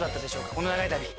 この長い旅。